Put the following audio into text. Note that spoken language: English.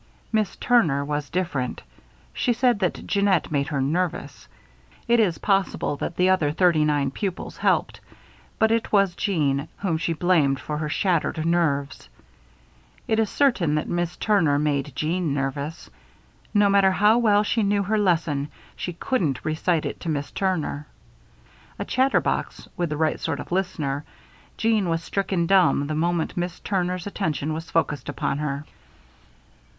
Miss Turner was different. She said that Jeannette made her nervous. It is possible that the other thirty nine pupils helped; but it was Jeanne whom she blamed for her shattered nerves. It is certain that Miss Turner made Jeanne nervous. No matter how well she knew her lesson, she couldn't recite it to Miss Turner. A chatterbox, with the right sort of listener, Jeanne was stricken dumb the moment Miss Turner's attention was focused upon her.